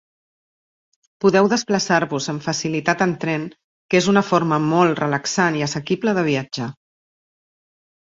Podeu desplaçar-vos amb facilitat en tren, que és una forma molt relaxant i assequible de viatjar.